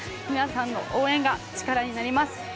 皆さんの応援が力になります。